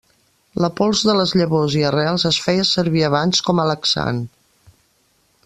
La pols de les llavors i arrels es feia servir abans com a laxant.